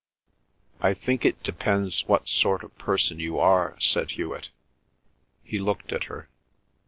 "I think it depends what sort of person you are," said Hewet. He looked at her.